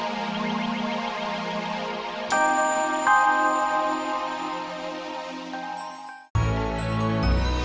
komunikasi dan johan